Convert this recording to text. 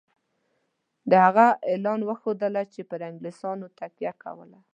د هغه اعلان وښودله چې پر انګلیسیانو تکیه کوله.